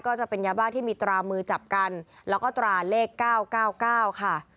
ก็จะเป็นยาบ้าที่มีตรามือจับกันแล้วก็ตราเลข๙๙๙ค่ะ